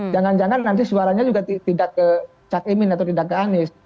jangan jangan nanti suaranya juga tidak ke cak imin atau tidak ke anies